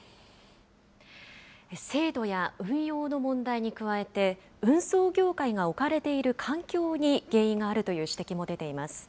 制度や運用の問題に加えて、運送業界が置かれている環境に原因があるという指摘も出ています。